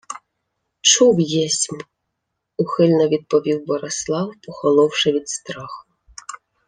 — Чув єсмь, — ухильно відповів Борислав, похоловши від страху.